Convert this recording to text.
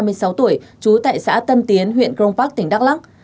ysen bia hai mươi sáu tuổi trú tại xã tân tiến huyện crongpak tỉnh đắk lắc